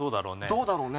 どうだろうね。